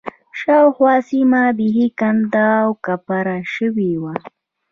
شاوخوا سیمه بېحده کنډ و کپر شوې وه.